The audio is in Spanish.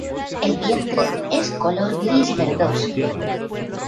El vientre es color gris verdoso.